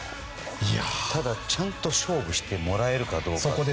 ただ、ちゃんと勝負してもらえるかどうか。